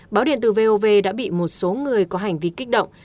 báo điện tử vov đã bị một số người có hành vi kích động